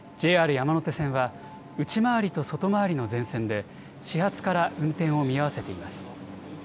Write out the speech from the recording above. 山手線は内回りと外回りの全線で始発から運転を見合わせています。